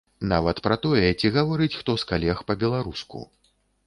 Нават пра тое, ці гаворыць хто з калег па-беларуску.